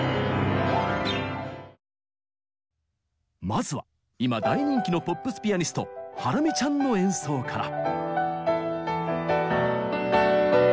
まずは今大人気のポップスピアニストハラミちゃんの演奏から。